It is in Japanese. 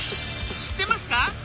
知ってますか？